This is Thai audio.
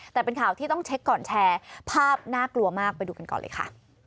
แต่เป็นข่าวที่ต้องเช็คก่อนแชร์ภาพน่ากลัวมากไปดูกันก่อนเลยค่ะ